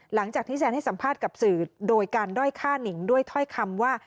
หลังจากที่แซนให้สัมภาษณ์กับสื่อโดยการด้อยฆ่าหนิงด้วยถ้อยคำว่า